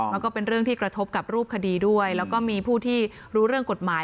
แล้วก็เป็นเรื่องที่กระทบกับรูปคดีด้วยแล้วก็มีผู้ที่รู้เรื่องกฎหมาย